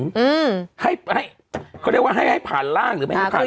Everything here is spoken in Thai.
เขาเรียกว่าให้ผ่านล่างหรือไม่ให้ผ่านล่าง